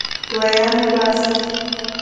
دویم لوست